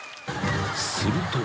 ［すると］